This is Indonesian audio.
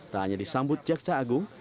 tak hanya disambut jaksa agung